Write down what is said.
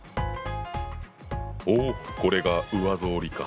おおこれが上草履か！